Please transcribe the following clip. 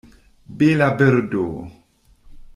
Bela birdo!